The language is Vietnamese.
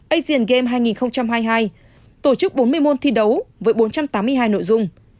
asian game hai nghìn hai mươi hai tổ chức bốn mươi môn thi đấu với bốn trăm tám mươi hai nội dung